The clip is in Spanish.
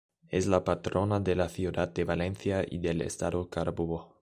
Es la patrona de la Ciudad de Valencia y del Estado Carabobo.